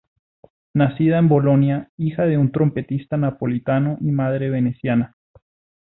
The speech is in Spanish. Nacida en Bolonia, hija de un trompetista napolitano y madre veneciana.